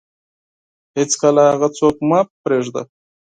هیڅکله هغه څوک مه پرېږده